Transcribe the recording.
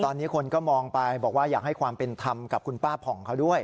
ตอนนี้คนก็มองไปบอกว่าอยากให้ความเป็นธรรมกับคุณป้าผ่องเขาด้วย